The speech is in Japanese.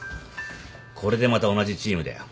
これでまた同じチームだよ